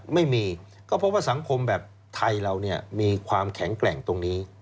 ไม่มีก็เพราะว่าสังคมแบบไทยเราเนี่ยมีความแข็งแกร่งตรงนี้